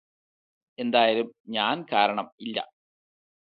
എന്തായാലും ഞാന് കാരണം ഇല്ല